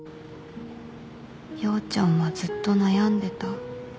陽ちゃんはずっと悩んでた